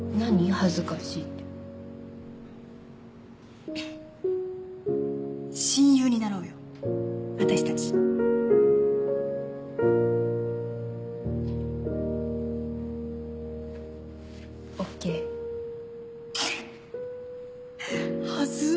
恥ずかしいって親友になろうよ私たちオーケーくっはずっ！